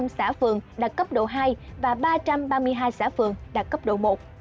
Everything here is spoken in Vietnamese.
hai trăm bốn mươi năm xã phường đạt cấp độ hai và ba trăm ba mươi hai xã phường đạt cấp độ một